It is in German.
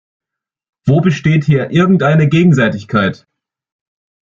Wo besteht hier irgendeine Gegenseitigkeit?